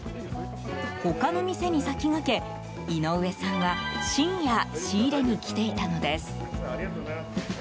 他の店に先駆け、井上さんは深夜仕入れに来ていたのです。